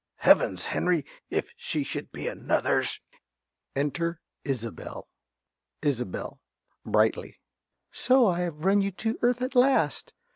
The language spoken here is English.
_) Heavens, Henry, if she should be another's! Enter Isobel. ~Isobel~ (brightly). So I've run you to earth at last.